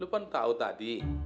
lu kan tahu tadi